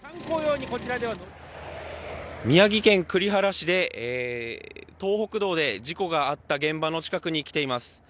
宮城県栗原市で東北道で事故があった現場の近くに来ています。